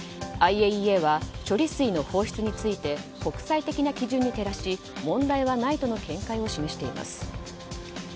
ＩＡＥＡは処理水の放出について国際的な基準に照らし問題はないとの見解を示しています。